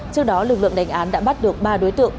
trước đó lực lượng đánh án đã bắt được ba đối tượng